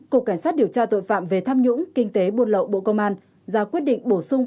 cục cảnh sát điều tra tội phạm về tham nhũng kinh tế buôn lậu bộ công an ra quyết định bổ sung